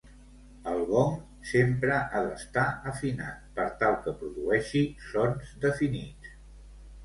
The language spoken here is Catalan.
El gong sempre ha d'estar afinat, per tal que produeixi sons definits.